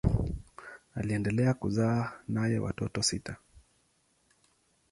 Aliendelea kuzaa naye watoto sita.